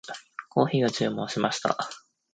コーヒーを注文しました。